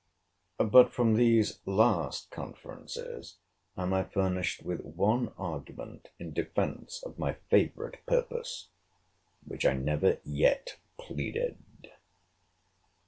But from these last conferences am I furnished with one argument in defence of my favourite purpose, which I never yet pleaded.